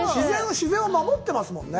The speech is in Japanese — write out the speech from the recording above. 自然を守ってますもんね。